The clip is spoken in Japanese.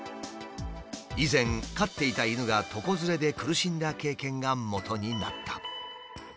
以前飼っていた犬が床ずれで苦しんだ経験がもとになった。